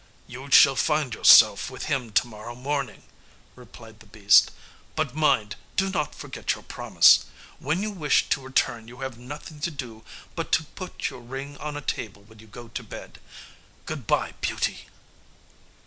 "You shall find yourself with him to morrow morning," replied the beast; "but mind, do not forget your promise. When you wish to return you have nothing to do but to put your ring on a table when you go to bed. Good bye, Beauty!"